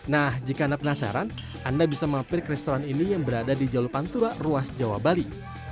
nah jika anda penasaran anda bisa mampir ke restoran ini yang berada di jalur pantura ruas jawa bali